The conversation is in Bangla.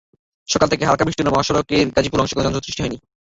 সকাল থেকে হালকা বৃষ্টি হলেও মহাসড়কের গাজীপুর অংশে কোনো যানজট সৃষ্টি হয়নি।